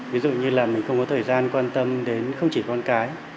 ví dụ như là mình không có thời gian quan tâm đến không chỉ con cái